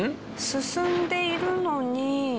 進んでいるのに。